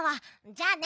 じゃあね。